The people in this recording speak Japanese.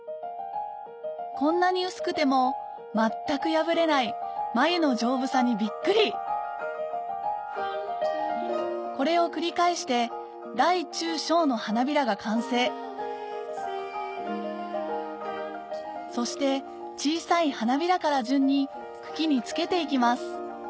こんなに薄くても全く破れない繭の丈夫さにビックリこれを繰り返して大中小の花びらが完成そして小さい花びらから順に茎に付けて行きます